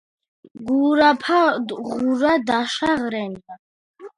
გურაფა ღურა დღაშახ რენია."